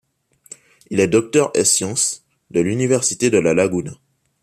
Il est docteur es sciences de l'Université de La Laguna.